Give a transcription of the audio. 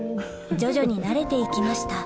徐々になれて行きました